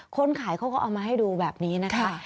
คนขายเขาก็เอามาให้ดูแบบนี้นะคะ